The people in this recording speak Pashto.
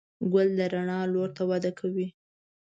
ګل د رڼا لور ته وده کوي.